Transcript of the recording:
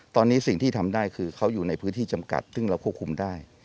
ตอนนี้สิ่งที่ทำได้คือเขาอยู่ในพื้นที่จำกัดซึ่งเราควบคุมได้